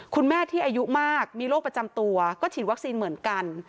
คุณแม่ที่อายุมากมีโรคประจำตัวก็ฉีดวัคซีนเหมือนกัน